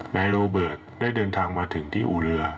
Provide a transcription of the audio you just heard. นายโรเบิร์ตได้เดินทางมาถึงที่อู่เรือ